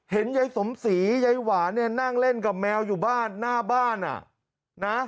เห็นไยสมศรีไยหวานนั่งเล่นกับแมวอยู่บ้านหน้าบ้าน